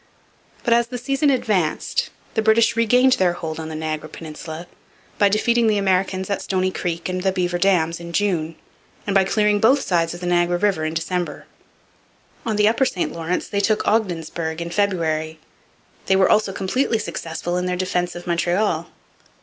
But, as the season advanced, the British regained their hold on the Niagara peninsula by defeating the Americans at Stoney Creek and the Beaver Dams in June, and by clearing both sides of the Niagara river in December. On the upper St Lawrence they took Ogdensburg in February. They were also completely successful in their defence of Montreal.